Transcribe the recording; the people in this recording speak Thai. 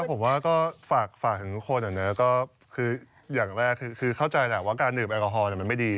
ผมว่าก็ฝากถึงทุกคนก็คืออย่างแรกคือเข้าใจแหละว่าการดื่มแอลกอฮอลมันไม่ดี